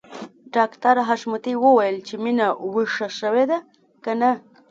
ډاکټر حشمتي وويل چې مينه ويښه شوې ده که نه